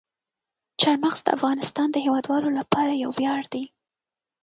چار مغز د افغانستان د هیوادوالو لپاره یو ویاړ دی.